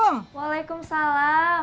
maka udahufenya si kang ada gimana